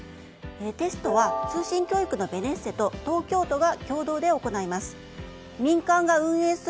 テストは、通信教育のベネッセと東京都が共同で行います。